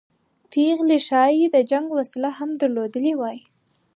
پېغلې ښایي د جنګ وسله هم درلودلې وای.